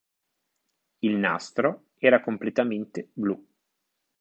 Il "nastro" era completamente blu.